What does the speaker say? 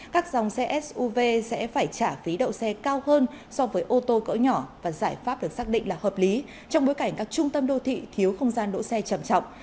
các dòng xe suv sẽ phải trả phí đậu xe cao hơn so với ô tô cỡ nhỏ và giải pháp được xác định là hợp lý trong bối cảnh các trung tâm đô thị thiếu không gian đỗ xe trầm trọng